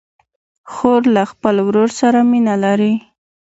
خور له خپل ورور سره مینه لري.